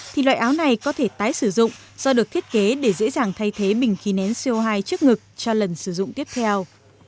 thì loại áo này có thể tái sử dụng do được thiết kế để dễ dàng thay thế bình khí nén co hai trước ngực cho lần sử dụng tiếp theo